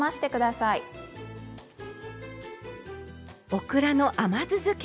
オクラの甘酢づけ。